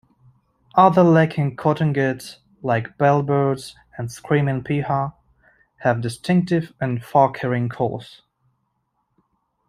Other lekking cotingids like the bellbirds and screaming piha, have distinctive and far-carrying calls.